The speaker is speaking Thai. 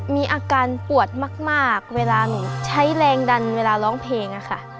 มีอาการปวดมากเวลาหนูใช้แรงดันเวลาร้องเพลงอะค่ะ